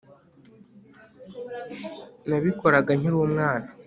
nabikoraga nkiri umwana